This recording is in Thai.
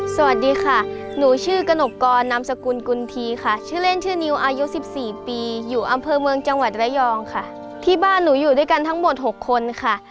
สวัสดีค่ะหนูชื่อกระหนกกรนามสกุลกุลทีค่ะชื่อเล่นชื่อนิวอายุสิบสี่ปีอยู่อำเภอเมืองจังหวัดระยองค่ะที่บ้านหนูอยู่ด้วยกันทั้งหมดหกคนค่ะ